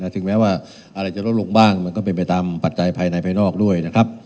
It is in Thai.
ถึงแม้ว่าอะไรจะลดลงบ้างมันก็เป็นไปตามปัจจัยภายในภายนอกด้วยนะครับ